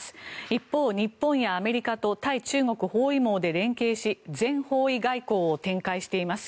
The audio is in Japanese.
一方、日本やアメリカと対中国包囲網で連携し全方位外交を展開しています。